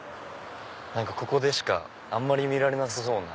ここでしかあんまり見られなさそうな。